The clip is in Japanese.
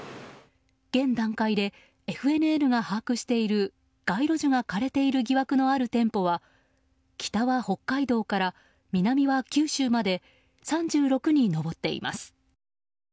現段階でＦＮＮが把握している街路樹が枯れている疑惑のある店舗は北は北海道から南は九州まで３６に上っています。